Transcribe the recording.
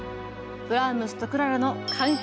ブラームスとクララの関係とは？